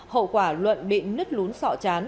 hậu quả luận bị nứt lún sọ chán